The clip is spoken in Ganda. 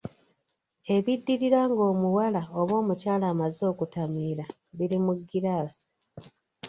Ebiddirira ng'omuwala oba omukyala amaze okutamira biri mu giraasi.